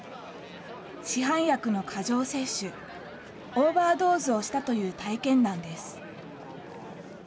市販薬の過剰摂取・オーバードーズをしたという体験談です。